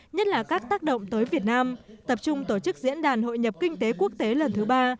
nhất là các tác động tới việt nam tập trung tổ chức diễn đàn hội nhập kinh tế quốc tế lần thứ ba